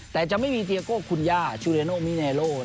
แต่จะไม่มีเตียโก้คุณย่าชูเรโนมิเนโล